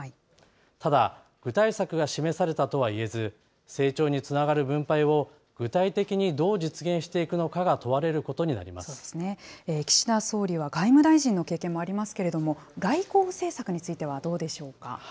ただ、具体策が示されたとはいえず、成長につながる分配を具体的にどう実現していくのかが問われるこ岸田総理は外務大臣の経験もありますけれども、外交政策についてはどうでしょうか。